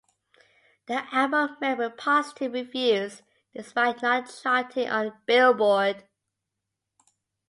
The album met with positive reviews despite not charting on "Billboard".